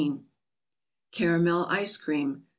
Caramel 3|ce*Cream.